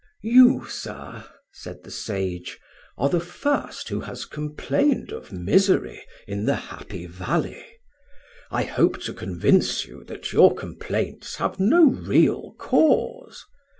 "You, sir," said the sage, "are the first who has complained of misery in the Happy Valley. I hope to convince you that your complaints have no real cause.